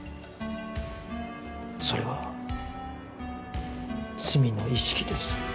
それは罪の意識です。